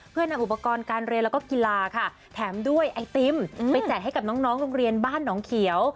เพื่อนำอุปกรณ์การเรียนแล้วก็กีฬาค่ะแถมด้วยไอติมไปแจกให้กับน้องโรงเรียนบ้านหนองเขียว